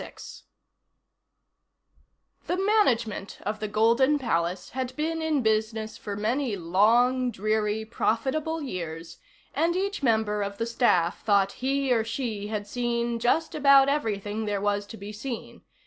6 The management of the Golden Palace had been in business for many long, dreary, profitable years, and each member of the staff thought he or she had seen just about everything there was to be seen.